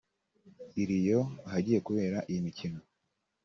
I Rio ahagiye kubera iyi mikino